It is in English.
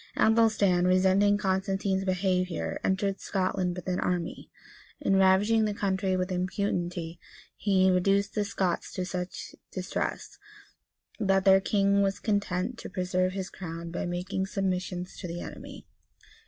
Athelstan, resenting Constantine's behavior, entered Scotland with an army, and ravaging the country with impunity,[] he reduced the Scots to such distress, that their king was content to preserve his crown by making submissions to the enemy.